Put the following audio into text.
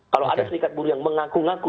kalau ada serikat buruh yang mengaku ngaku